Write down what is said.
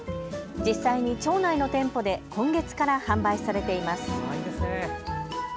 実際に町内の店舗で今月から販売されています。